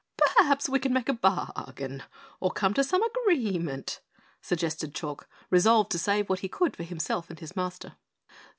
"Perhaps we can make a bargain, or come to some agreement?" suggested Chalk, resolved to save what he could for himself and his Master.